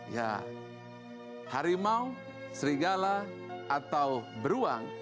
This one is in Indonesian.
ya harimau serigala atau beruang